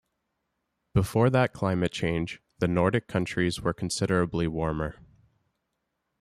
Before that climate change, the Nordic countries were considerably warmer.